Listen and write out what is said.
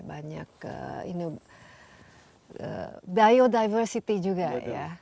banyak biodiversity juga ya